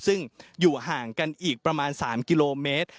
ซึ่งอยู่ห่างกันอีกประมาณ๓กิโลเมตร